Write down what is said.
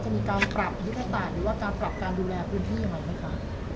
จะมีการปรับอิทธิษฐานหรือว่าการปรับการดูแลพื้นที่ยังไงนะครับ